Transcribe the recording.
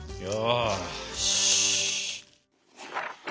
よし。